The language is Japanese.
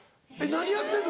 何やってるの？